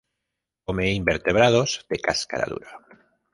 Come invertebrados de cáscara dura.